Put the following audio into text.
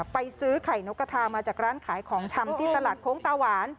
ไปซื้อไข่นกกระทามาจากร้านขายของชำที่ตลาดโค้งตาหวาน